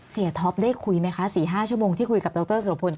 ท็อปได้คุยไหมคะ๔๕ชั่วโมงที่คุยกับดรสุรพล